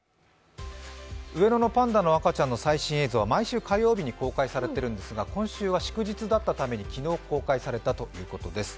上野のパンダの赤ちゃんの最新映像は毎週火曜日に公開されているんですが、今週は祝日だったために昨日公開されたということです。